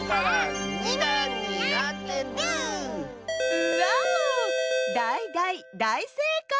ウォウだいだいだいせいかい！